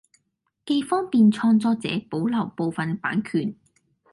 既方便創作者保留部份版權